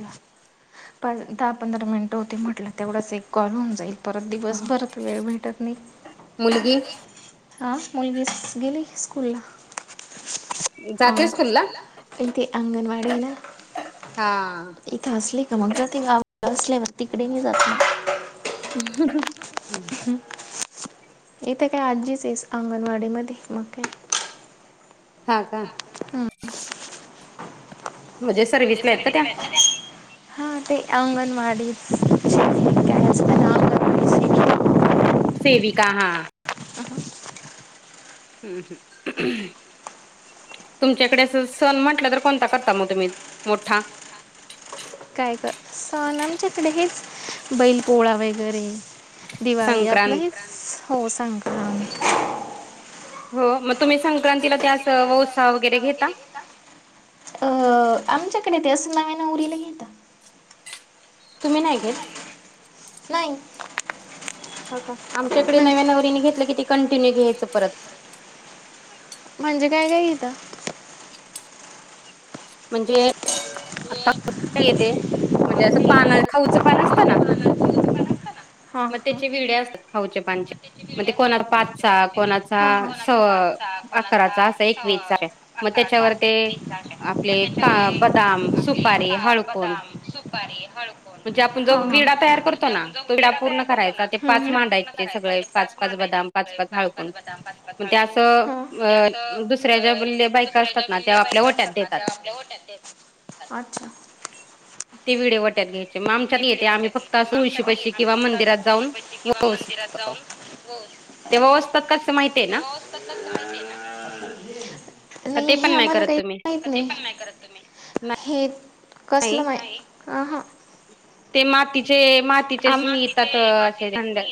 ला दहा पंधरा मिनिटं होते म्हटलं तेवढंच एक कॉल होऊन जाईल. परत दिवस भरत वेळ भेटत नाही. मुलगी हा मुलगी गेली स्कूला जाते अ. स्कूलला? इथे अंगनवाडी ना. हा. इथं असली का मग जाते गाव असल्यावर तिकडे मी जात नाही. ह. इथ काय आजीच आहेस अंगणवाडी मध्ये मग काय? ह का? हम्म. म्हणजे सर्विसला आहेत पुजसर् का त्या? वीटलाल्या हा ते अंगणवाडीच का असना. सेविका हा. हम् हम्. तुमच्याकडे अस सण म्हटलं तर कोणता करता मग तुम्ही मोठा काय कर सण आमच्या इकडे हेच बैल पोळा वगैरे दिवाळी आपलं संक्रांत. हेच हो सांगत. हो मग तुम्ही संक्रांतीला त्यास. अं आमच्याकडे ते असं नव्या नउरीला घेता. तुम्ही नाही घेत. नाही. ह का आमच्याकडे म्हणजे नव्या नवरीने घेतलं की ते कंटिन्यू घ्यायचं परत म्हणजे काय काय इथं. म्हणजे येते म्हणजे असं पान खाऊचं पान असतं ना. हां मग हां त्याचे विडे असतात खाऊचे पानचे मग ते कोणा पा. कोणाचा म्हणजे स अकराचा असा एक वस आहे मग त्याच्यावर ते आपले का बदाम सुप का बदाम सुपारी हळ. म्हणजे आपण जो विडा तयार करतो म्हणजे ना आपण जो तो विडा पूर्ण तयार करतो करायचा ना ते पाच विडा पूर्ण मांडायचे करायचा सगळे ते पाच मांधायचे. बदाम पाच पाच हळकुंड बदाम पाच पाच मग ते असं हळपण त्या अ दुसऱ्या ज्या बायका दुसऱ्या असतात ज्या ना गिल् त्या आपल्या बायप. ओट्यात देतात ते आपल्या होटच्छ. ते व्हडिओ. ट्यात घ्यायचे मग आमच्या येते आम्ही फक्त तळशी पैशी किंवा मंदिरात जाऊनतो. हो तेव्हातात काळज ना. का नाही ते पण हे आम्हाला करत काही तुम्ही माहत नाही हे. नाही कसलं माहि अ हा. ते मातीचे मातीचेच मिीळेतात असे ंड्या.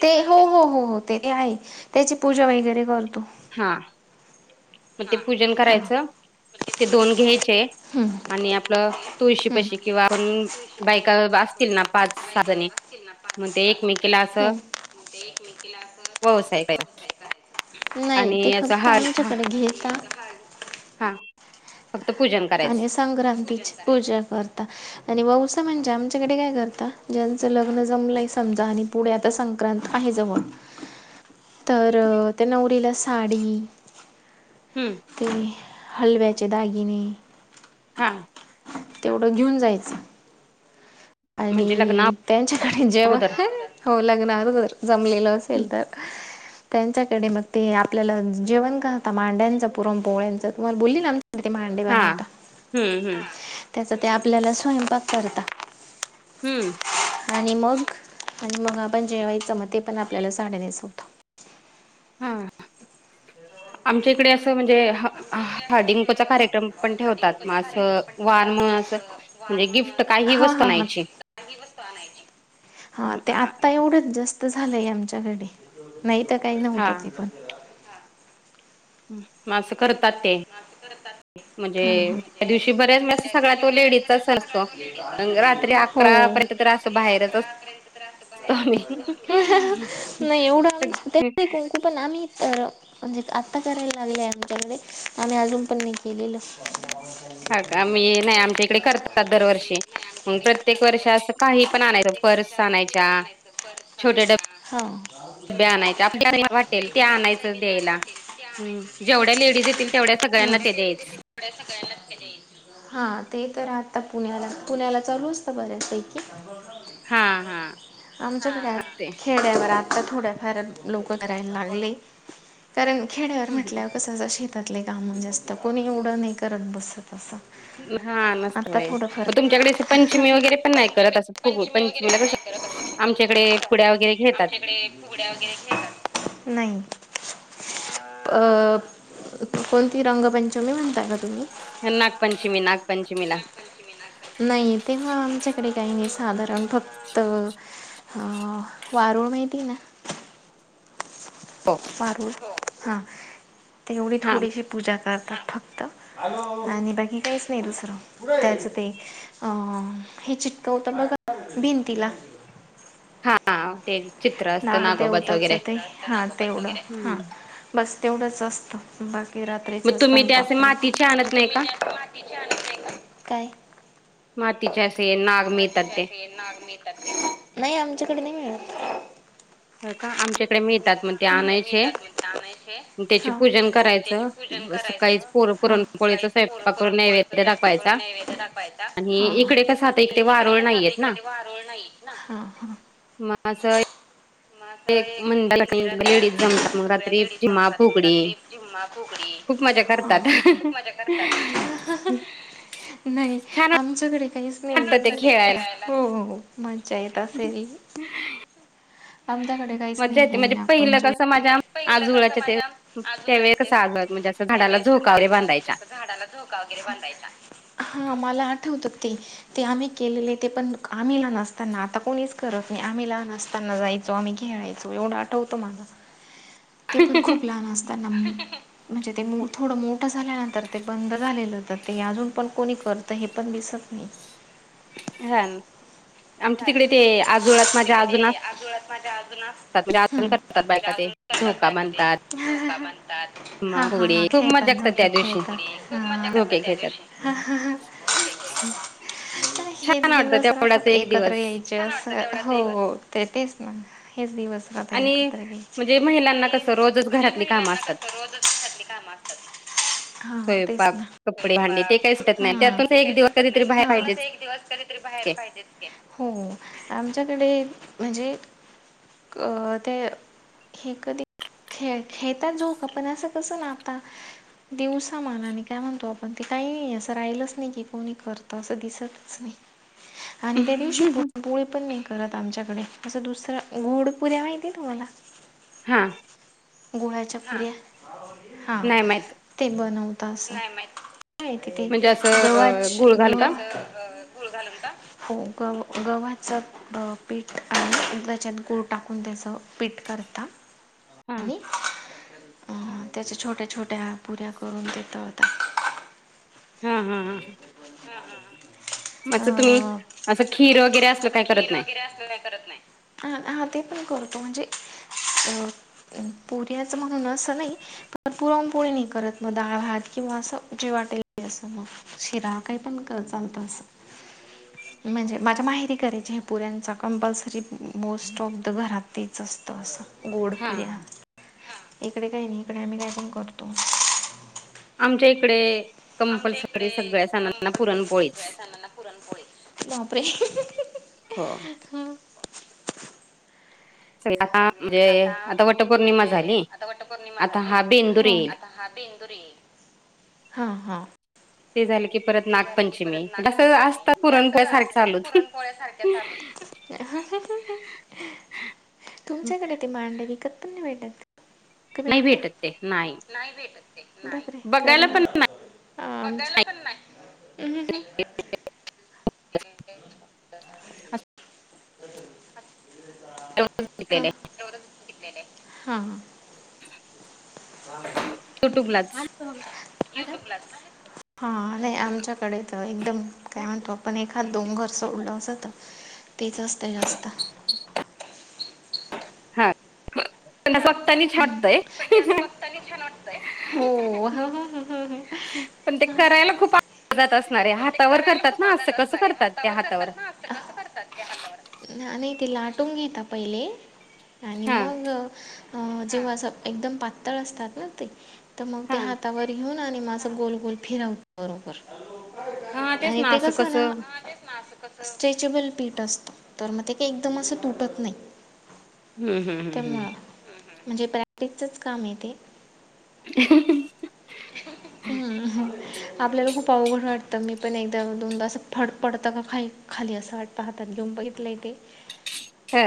ते हो हो हो हो ते आहे त्याची पूजा वगैरे करतो. हा मग ते पूजन हा करायचं हम्म ते दोन घ्यायचे. आणि आपलं तुळशी हम्म पशी किंवा आप बायका असतील ना पाच सहा जणी..... पाच मग ते सात एकमेकीला असं झालीग म तला.... व्यवसाय नाही आणि ते अस फक्त हा..... आमच्याकडे घेता हा फक्त पूजन करायच..... आणि संक्रांतीची पूजा करता.... आणि व उसा म्हणजे आमच्याकडे काय करता ज्यांचं लग्न जमलंय समजा आणि... पुढे आता संक्रांत आहे जवळ..... [unintelligible] तर त्या नवरीला साडी हम्म..... ते हलव्याचे दागिने...... हां.... तेवढं घेऊन जायचं.... म्हणजे लग्ना आणि त्यांच्याकडे अगोदर जेव्हा हो लग्न आगर.... जमलेल हम्म, असेल तर... त्यांच्याकडे मग ते आपल्याला जेवण काता मांडायचं पुरण पोहळचं तुम्हाला बोलली ना.... ते मांडे हा बनवता हम्म हम्म त्याचा ते आपल्याला स्वयंपाक करत... हम्म.... आणि मग आणि मग आपण जेव्हाच म ते पण आपल्याला साडा द्यायचं होतं.... हा आमच्या इकडे असं म्हणजे ह. हाडिंकोचा कार्यक्रम पण ठेवतात मगं वान म असं. म्हणजे गिफ्ट काही हा वस्त हा नाहीयची हा ते आत्ता एवढंच जास्त झालंय आमच्याकडे नाही, तर काही नव्हतं हां. ते पण.... म असं करतात ते..... म्हणजे हां हां त्या दिवशी बर्याच सगळ्या तो लेडीजचाच असतो रात्री हो अकरार्यंत.... त्र बाहेरच.... स् म सग.... इप नममी म्ह अता कराला दिला यामध्ये.... आम्ही अजून पण मी केलेलं.... हा आम्ही नाही आमच्या इकडे करतात दरवर्षी प्रत्येक वर्ष असं.... काही पण आणायचं. प्रत्येक वर्ष पर्स असते आणायच्या, पण आणायचं परत आणायचा... आणायल्या वाटेल ते आणायच द्यायला जेवढ्या लेडीज येतील..... तेवढ्या सगळ्यांना ते द्याच.. थोड्या सगळ्यांनाच खज हा ते तर आता पुण्याला पुण्याला चालूच तर बऱ्याच पैकी... हा हा आमच्याकड असते. खेड्यावर..... आ थोड्याफार लोक करायला लागले कारण खेड्यावर हम्म म्हटल्यावर कस ज श. त्यातले काम जास्त कोणी एवढं नाही करत बसत असं.... हा नसत आता बा थोडं मग फरक तुमच्याकडे पंचमी वगैरे पण नाही करत असं.... खगळ पंचमीला कसं आमच्या इकडे पुड्या वगैरे घेतात नाही... अ कोणती रंगपंचमी म्हणताय का तुम्ही..... नागपंचमी नागपंचमीला..... नाही ते मग आमच्याकडे काही नाही साधारण फक्त. अ वारूळ माहिती ना. हो.. पार हा तेवढी हा. थोडीशी पूजा करतात. फक्त.... आणि बाकी काहीच नाही दुसरं त्याच ते.... अ हे चिटकवतं बघ भिंतीला..... हा ते.... चित्र असतं नाग नागोबाचं वगैरे देेवताचं ते हां तेवढं हां हम्म. बस तेवढंच असतं. बाकी मग रात्रीचा तुम्ही ते असे स्वयंपाक मातीचे आणत नाही का? काय मग ना नाही आमच्याकडे नाही मित का आमच्याकडे मिळतात म आणायचे त्याचे हां पूजन करायचं सकाळीर पुरणपोळीच र पुरणपोळीच स्वयपा करून नैवेद्य दाखवायचा आणि इकडे कसं आता आणि इकडे वारूळ कस आता नाहीयेत इकडे वारळ नाही ना मगं एक म्हणड लेडीज जमतात मग रात्री जिमा फुकडी खूप मजा हां हां करतात हां नाही छान आमच्याकडे काहीच वाटत ते खेळायला नाही हो मज्जा येत असेल आमच्याकडे काहीच मजा नाही येते हे म्हणजे पहिलं नागपंचमी कस माझ्या आजोच्या ते त्यावेळे कस आजू म्हणजे असं झाडाला झोकाे बांधायच्या हा मला आठवत ते ते आम्ही केलेले ते पण म् लह असताना करत नाही आम्ही लहान असताना जायचो आम्ही खेळायचो एवढं आठवतो मला ते पण खूप लहान असतात ना म्हणजे ते थोडं मोठं झाल्यानंतर ते बंद झालेलं होतं ते अजून पण कोणी करत हे पण दिसत नाही हा आमच्या तिकडे ते आजोळात माझ्या अजूनतात म्हणजेजून हम्म करतात बायका ते झोका बांधतात हा हा हा फुगडी खूप मजा खेळतात करतात झोपी त्या दिवशी खेळतात. ह म्हज त्या दिवशी हम् ह छान वाटतं त्या बडाचा एक दिवस हो ते तेच ना हेच दिवस आणि एकत्र म्हणजे घ्यायचे महिलांना आणि कसं रोजच म्हणजे घरातली कामं महिलांना असतात कस रोजातले काम असतात स्वयंपाक कपडे हांडी ते काही सुटत नाही त्यातून एक दिवस कधीतरी बाहेर पाहिजे. दिवस तरी. कुठेतरी बाहेर पाहिजेच की, हो हो आमच्याकडे म्हणजे अ ते. हे कधी खेळ, खेळतात झोका पण असं कसं ना आता. दिवसा मानाने काय म्हणतो आपण ते काही असं राहिलच नाही की कोणी करत असं दिसतच नाही. आणि त्या दिवशी पुरणपोळी पण नाही. परत आमच्याकडे असं दुसरं, गोडपुऱ्या माहितेय तुम्हाला. हां. गुळ्याच्या पुऱ्या, हा. नाही माहित ते बनवत असत, नाही माहित, नाही तिथे म्हणजे असं अ गुळ गव्हाच्या घालू का गव्हात. गूळ घालून का, हो ग गव्हाचा अ, पीठ आणि त्याच्यात गूळ टाकून त्याच पीठ करता. हा आणि. अ, त्याच्या छोट्या छोट्या पुऱ्या करून देतत. हा हा हा हा. मच तुम्ही अ असं खीर वगैरे असलं काही करत नाही. नाही करत नाही, हा, हा ते पण करतो, म्हणजे अ पुऱ्याच म्हणून असं नाही. पण पुरणपोळी नाही करत मग डाळ भात किंवा असं जे वाटेल असं मग. शिरा, काही पण चालतं असं. म्हणजे, माझ्या माहेरी करायची हे पुऱ्यांचा कंपल्सरी, मोस्ट ऑफ द घरात. तेच असतं असं हा गोडपुऱ्या, इकडे काही नाही इकडे आम्ही काय पण करतो. आमच्या इकडे कंपल्सरी सगळ्या सणांना पुरणपोळीच. बापरे. हो. हं, सगळे आता म्हणजे, आता वटपौर्णिमा झाली आता हा, बेंदूर येईल. तरी, हा हा. ते झालं की परत नागपंचमी, कसं आसतं पुरणपोळ्या सारखं चालूच.. [inaudible] तुमच्याकडे ते मांडणी कत्तून नाही भेटत. का नाही भेटतं, भेटत ते नाही भेटतं ते, बापरे बघायला करणार. पण आ, बघायला पण नाही. [unintelligible] [unintelligible] हा. घेतलेलं आहे तेवढंच दिकेणे, हा हा. युट्यूबलाच युट्युबलाच ना. हा नाही, आमच्याकडे तर एकदम काय म्हणतो आपण एखात दोन घर सोडल असंत. तेच असतंय जास्त. [inaudible] हात, फक्तानी छाडतंय. ते असं बघतानी छान वाटतंय, हो हो पण ते करायला खूप अवघड जात असणारे हातावर करतात ना, असं कसं करतात ते हातावर? कसं करतात ते हातावर, नाही ते लाटून घेता पहिले. आणि हा मग अ, जेव्हा असं एकदम पातळ असतात ना ते तर मग ते हा हातावर घेऊन आणि म असं गोल गोल फिरव बरोबर. हा तेच. आणि ना ते असं कसं ना, स्ट्रेचेबल पीठ असतं तर मग ते काही एकदम असं तुटत नाही. हम्म हम्म हम्म त्यामुळं, म्हणजे प्रॅक्टीचच काम आहे तेे. [unintelligible] [inaudible] हम्म आपल्याला खूप अवघड वाटतं मी पण एकदा दोनदा अस फड पडतं का खाई खाली असं वाट पाहतात घेऊन बघितलंय ते. [inaudible]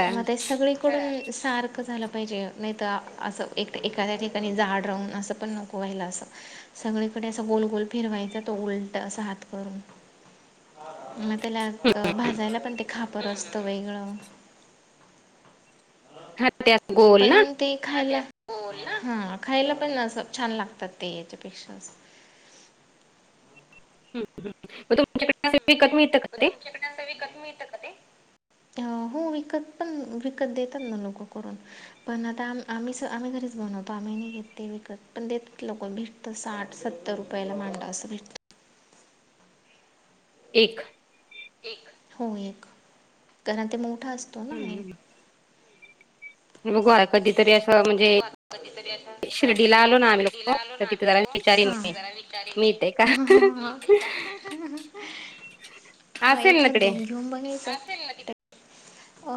मग ते सगळीकडून सारख हक्कं झालं पाहिजे नाही तर असं एकट एखाद्या ठिकाणी जाड राहून असं पण नको व्हायला असं. सगळीकडे असा गोलगोल फिरवायचा तो उलट असा हात करून. मग त्याला भाजायला पण ते खापर असत वेगळं हा ते असं गोल ना पण ते खाल्या हो हा खायला पण अस छान लागतात ते याच्यापेक्षा ह् मग तुमच्याकडे विकत मिळतं का ते? हो विकत पण विकत देतात ना लोक करून. पण आता आम आम्ही आम्ही घरीच बनवतो आम्ही नाही घेत ते विकत पण देत लोक भेट साठ सत्तर रुपयाला मांडा असं भेटत. एक. हो एक कारण ते मोठा असतो ना. हम्म, हम्म. बघू कधीतरी असं म्हणजे कधी शिर्डीला म्हणजे आलो ना आम्ही शिर्डीला लोक आलो तर ना तिथे आम्ही जरा विचारीन लक मी मिळते जरा का [unintelligible] [inaudible] हा असेल ना एखाद तिकडे दोन घेऊन बघायच. अ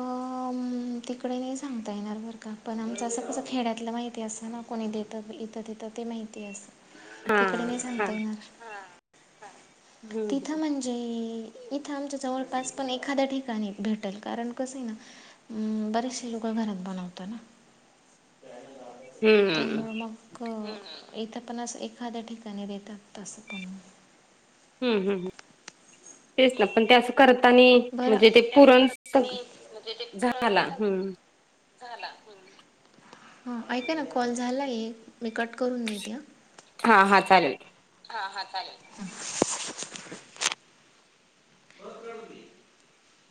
तिकडे नाही सांगता येणार बर का पण आमचं असं कसं खेड्यातलं माहिती असं ना कोणी देतं इथं तथं. ते माहिती आहे असं हा तिकडं नाही हा सांगता येणार. हा हा हम्म, हम्म. तिथं म्हणजे जे इथं आमच्या जवळपास पण एखाद्या ठिकाणी भेटल कारण कस हाय ना बरेचसे लोक घरात बनवत ना. हम्म त्यामुळे मग. क इथं पण असं एखाद्या ठिकाणी देतात तसं पण. हम्म हम्म हम्म तेच ना पण ते असं करत बरं म्हणजे ते पुरण सगं झाला हम्म. झाला हम्म. हा ऐका ना कॉल झालाय मी कट करून देेत हा. हा हा चालेल. हा हा चालेल. [unintelligible]